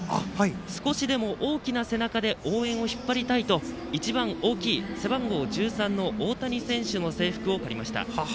少しでも大きな背中で応援を引っ張りたいと一番大きい、背番号１３の大谷選手の制服を借りました。